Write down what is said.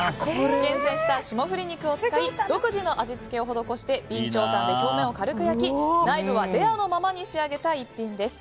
厳選した霜降り肉を使い独自の味付けを施して備長炭で表面を軽く焼き内部はレアのままに仕上げた逸品です。